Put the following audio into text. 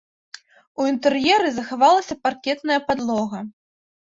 У інтэр'еры захавалася паркетная падлога.